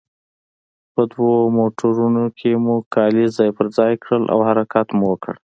په دوو موټرونو کې مو کالي ځای پر ځای کړل او حرکت مو وکړ.